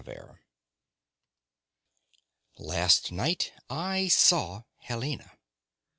HELENA Last night I saw Helena.